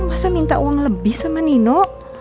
masa minta uang lebih sama nino